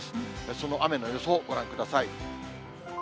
その雨の予想、ご覧ください。